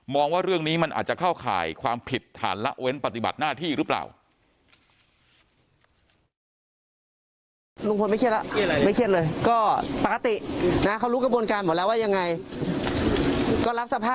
ว่าเรื่องนี้มันอาจจะเข้าข่ายความผิดฐานละเว้นปฏิบัติหน้าที่หรือเปล่า